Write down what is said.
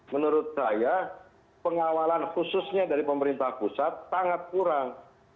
menurut saya pengawalan khususnya dari pemerintah pusat sangat kurang